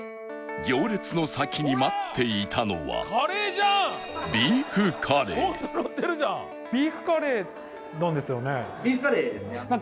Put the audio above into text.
行列の先に待っていたのはビーフカレービーフカレーですね。